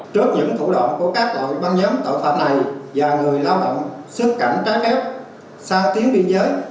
trước những thủ đoạn của các loại băng nhóm tội phạm này và người lao động xuất cảnh trái phép sang tuyến biên giới